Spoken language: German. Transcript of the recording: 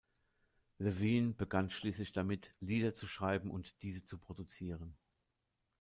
Levine begann schließlich damit, Lieder zu schreiben und diese zu produzieren.